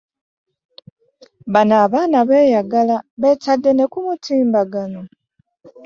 Baano abaana beyagala, beetadde ne ku mutimbagano.